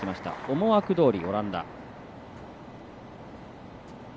思惑どおり、オランダ。